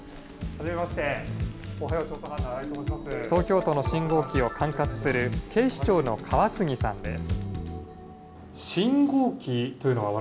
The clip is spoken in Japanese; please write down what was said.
東京都の信号機を管轄する警視庁の川杉さんです。